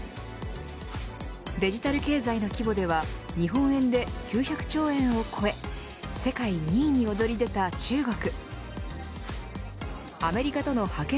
デジタル経済の規模では日本円で９００兆円を超え世界２位に躍り出た中国。